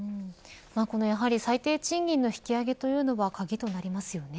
やはり最低賃金の引き上げというのは鍵となりますよね。